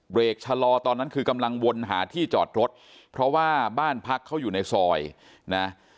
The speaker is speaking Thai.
ชะลอตอนนั้นคือกำลังวนหาที่จอดรถเพราะว่าบ้านพักเขาอยู่ในซอยนะ